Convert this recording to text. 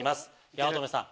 八乙女さん